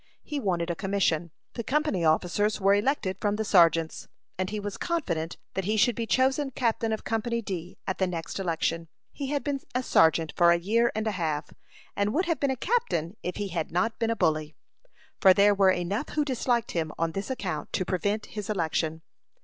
He wanted a commission. The company officers were elected from the sergeants, and he was confident that he should be chosen captain of Company D at the next election. He had been a sergeant for a year and a half, and would have been a captain if he had not been a bully; for there were enough who disliked him on this account to prevent his election.